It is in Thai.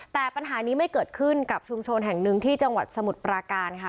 แต่ปัญหานี้ไม่เกิดขึ้นกับชุมชนแห่งหนึ่งที่จังหวัดสมุทรปราการค่ะ